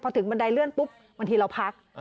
พอถึงบันไดเลื่อนปุ๊บบางทีเราพัก